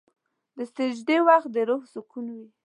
د سجدې وخت د روح سکون وي.